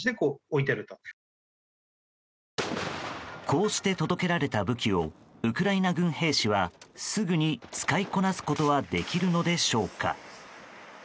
こうして届けられた武器をウクライナ軍兵士はすぐに使いこなすことはできるのでしょうか。